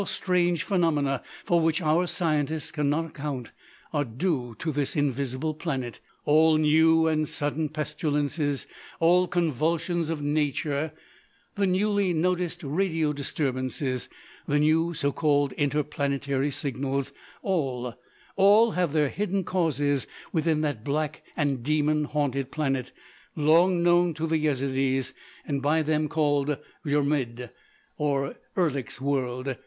All strange phenomena for which our scientists can not account are due to this invisible planet,—all new and sudden pestilences; all convulsions of nature; the newly noticed radio disturbances; the new, so called inter planetary signals—all—all have their hidden causes within that black and demon haunted planet long known to the Yezidees, and by them called Yrimid, or Erlik's World.